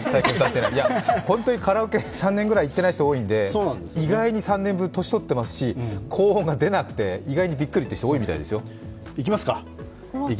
本当にカラオケ３年くらい行っていない人が多いので意外に３年分、年取ってまして、高温が出なくて意外にびっくりっていう人、多いみたいですよ。